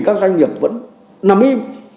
các doanh nghiệp vẫn nằm im